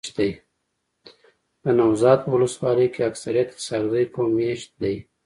دنوزاد په ولسوالۍ کي اکثريت اسحق زی قوم میشت دی.